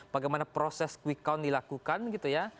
bagaimana proses quickon dilakukan gitu ya